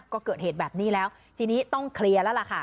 ก็เกิดเหตุแบบนี้แล้วทีนี้ต้องเคลียร์แล้วล่ะค่ะ